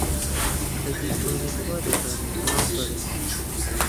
قەدری جوانی کوا دەزانێ ماڵپەرست!